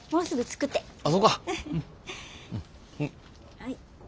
はい。